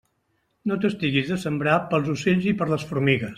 No t'estiguis de sembrar pels ocells i per les formigues.